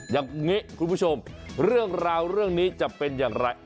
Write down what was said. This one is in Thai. อย่างนี้คุณผู้ชมเรื่องราวเรื่องนี้จะเป็นอย่างไร